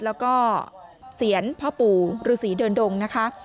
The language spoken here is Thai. แล้วก็เสียรพ่อปู่ฤษีเดินดงนะคะ